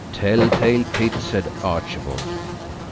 "Tell tale tit," said Archibald.